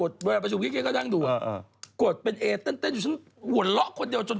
ใส่ชุดปลาโลมาด้วยหรอ